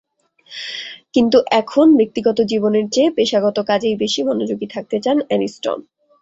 কিন্তু এখন ব্যক্তিগত জীবনের চেয়ে পেশাগত কাজেই বেশি মনোযোগী থাকতে চান অ্যানিস্টন।